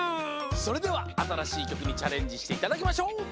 それではあたらしいきょくにチャレンジしていただきましょう。